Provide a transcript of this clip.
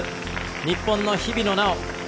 日本の日比野菜緒。